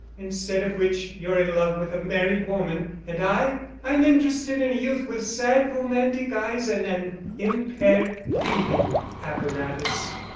Instead of which, you're in love with a married woman, and I—I'm interested in a youth with sad romantic eyes and an impaired breathing apparatus."